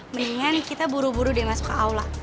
mendingan kita buru buru deh masuk ke aula